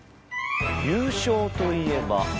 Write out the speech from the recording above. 優勝といえば。